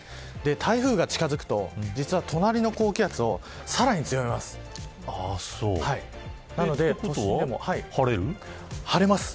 台風が近づくと実は隣の高気圧をさらに強めます。ということは晴れる。